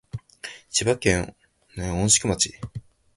千葉県御宿町